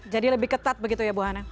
jadi lebih ketat begitu ya bu hana